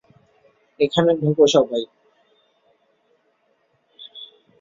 এখানে ঢোকো সবাই।